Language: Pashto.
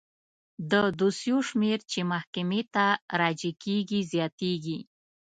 د دوسیو شمیر چې محکمې ته راجع کیږي زیاتیږي.